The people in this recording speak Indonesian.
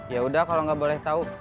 yaudah kalau gak boleh tau